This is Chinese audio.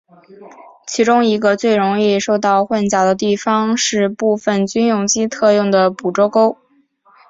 其中一个最容易受到混淆的地方是部份军用机特有的捕捉勾。